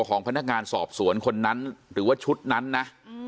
ของพนักงานสอบสวนคนนั้นหรือว่าชุดนั้นนะ